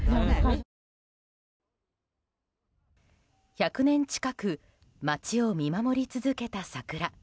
１００年近く街を見守り続けた桜。